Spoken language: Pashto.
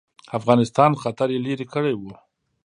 افغانستان خطر یې لیري کړی وو.